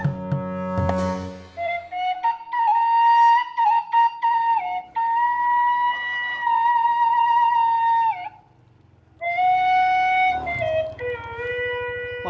sampai jumpa lagi